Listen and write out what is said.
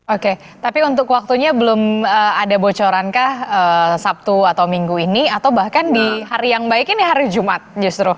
oke tapi untuk waktunya belum ada bocoran kah sabtu atau minggu ini atau bahkan di hari yang baik ini hari jumat justru